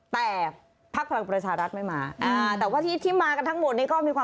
แต่ภักดิ์พลังประชารัฐไม่มา